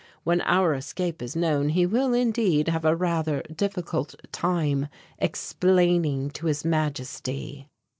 When our escape is known he will indeed have a rather difficult time explaining to His Majesty."